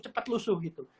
cepat lusuh gitu